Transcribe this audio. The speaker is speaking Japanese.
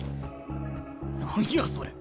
何やそれ。